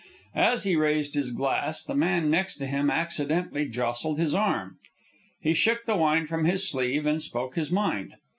As he raised his glass, the man next to him accidentally jostled his arm. He shook the wine from his sleeve and spoke his mind.